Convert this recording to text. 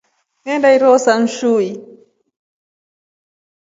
Nyaenda ihonsa nshui.